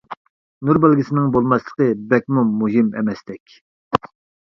نۇر بەلگىسىنىڭ بولماسلىقى بەكمۇ مۇھىم ئەمەستەك.